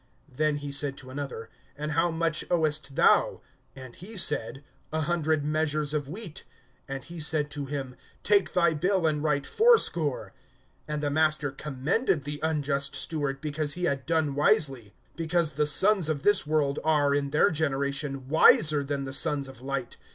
(7)Then he said to another: And how much owest thou? And he said: A hundred measures of wheat. And he said to him: Take thy bill, and write fourscore. (8)And the master commended the unjust steward, because he had done wisely; because the sons of this world are, in their generation, wiser than the sons of light.